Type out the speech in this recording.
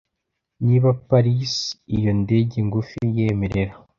'(Niba Paris iyo ndege ngufi yemerera)